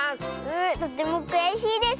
とてもくやしいです。